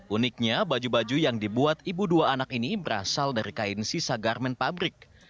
uniknya baju baju yang dibuat ibu dua anak ini berasal dari kain sisa garmen pabrik